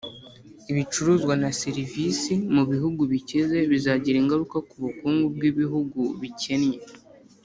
ibicuruzwa na za serivisi mu bihugu bikize bizagira ingaruka ku bukungu bw'ibihugu bikennye.